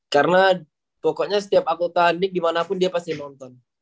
karena pokoknya setiap aku tandik dimanapun dia pasti nonton